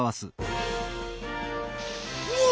うわ！